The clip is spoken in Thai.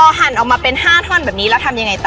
หั่นออกมาเป็น๕ท่อนแบบนี้แล้วทำยังไงต่อ